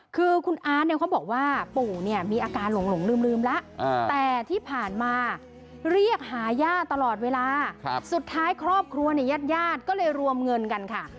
คือคุณอาร์ตเนี่ยเขาบอกว่าปู่เนี่ยมีอาการหลงลืมแล้วแต่ที่ผ่านมาเรียกหาย่าตลอดเวลาสุดท้ายครอบครัวเนี่ยญาติญาติก็เลยรวมเงินกันค่ะ